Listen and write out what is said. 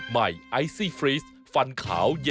เอาเหรอพูดแล้วเหรอ